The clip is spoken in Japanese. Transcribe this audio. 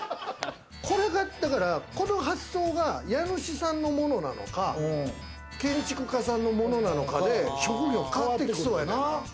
この発想が家主さんのものなのか、建築家さんのものなのかで、職業変わってきそうやな。